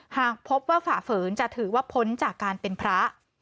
หากพบว่าฝ่าฝืนจะถือว่าพ้นจากการเป็นพระ